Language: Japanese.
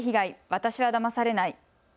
私はだまされない。